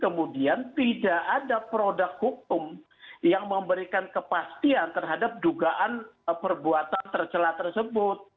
kemudian tidak ada produk hukum yang memberikan kepastian terhadap dugaan perbuatan tercelah tersebut